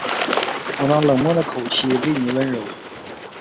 我那冷漠的口气为妳温柔